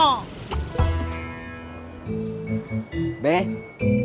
gak ada sih